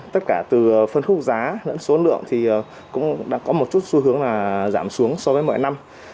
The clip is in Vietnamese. tất cả từ phân khúc giá lẫn số lượng thì cũng đã có một chút xu hướng là giảm xuống so với mọi năm